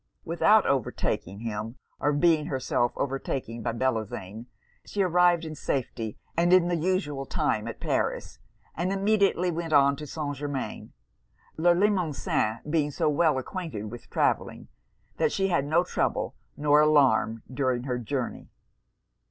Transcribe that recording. Without overtaking him, or being herself overtaken by Bellozane, she arrived in safety and in the usual time at Paris, and immediately went on to St. Germains; Le Limosin being so well acquainted with travelling, that she had no trouble nor alarm during her journey.